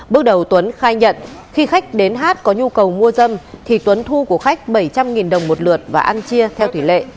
bước đầu tuấn khai nhận khi khách đến hát có nhu cầu mua dâm thì tuấn thu của khách bảy trăm linh đồng một lượt và ăn chia theo tỷ lệ